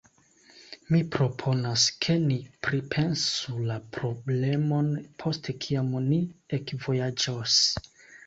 Mi proponas, ke ni pripensu la problemon, post kiam ni ekvojaĝos.